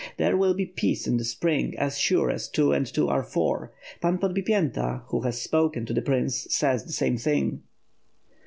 There will be peace in the spring as sure as two and two are four. Pan Podbipyenta, who has spoken to the prince, says the same thing."